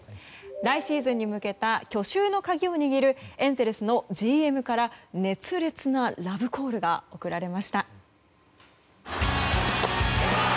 来シーズンに向けた去就の鍵を握るエンゼルスのＧＭから、熱烈なラブコールが送られました。